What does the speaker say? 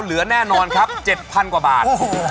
เหลือแน่นอนครับ๗๐๐กว่าบาท